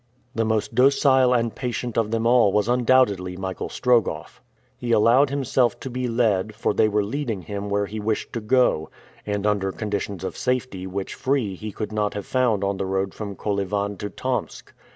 The most docile and patient of them all was undoubtedly Michael Strogoff. He allowed himself to be led, for they were leading him where he wished to go, and under conditions of safety which free he could not have found on the road from Kolyvan to Tomsk.